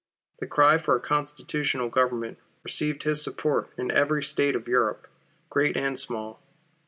The cry for a constitutional Government received his support in every State of Europe, great and small.